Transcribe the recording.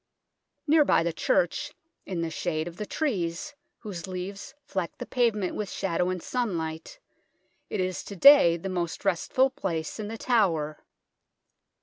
Near by the church, in the shade of the trees, whose leaves fleck the pavement with shadow and sunlight, it is to day the most restful place in The Tower.